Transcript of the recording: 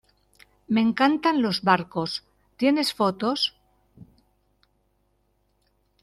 me encantan los barcos. ¿ tienes fotos?